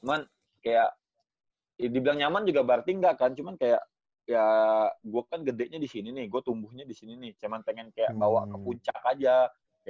cuman kayak dibilang nyaman juga berarti enggak kan cuman kayak yaa gue kan gedenya disini nih gue tumbuhnya disini nih cuman pengen kayak bawa ke puncak aja